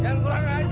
jangan kurang aja